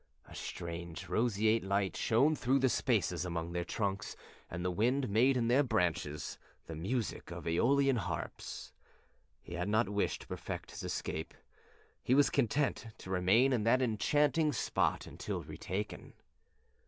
A strange, roseate light shone through the spaces among their trunks and the wind made in their branches the music of æolian harps. He had no wish to perfect his escape was content to remain in that enchanting spot until retaken.